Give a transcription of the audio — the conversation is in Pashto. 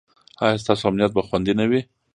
ایا ستاسو امنیت به خوندي نه وي؟